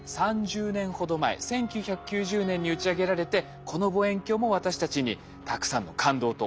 ３０年ほど前１９９０年に打ち上げられてこの望遠鏡も私たちにたくさんの感動と驚きを届けてくれました。